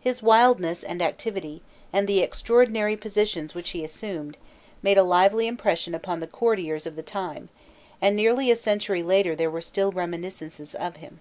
His wildness and activity, and the extraordinary positions which he assumed, made a lively impression upon the courtiers of the time, and nearly a century later there were still reminiscences of him.